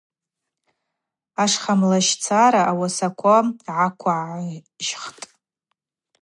Ахшамлащцара ауасаква гӏаквыгӏжьхтӏ.